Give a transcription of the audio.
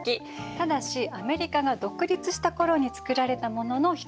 ただしアメリカが独立した頃に作られたものの一つなの。